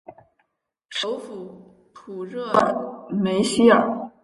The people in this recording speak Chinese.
首府普热梅希尔。